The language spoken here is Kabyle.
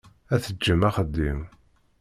Ad teǧǧem axeddim.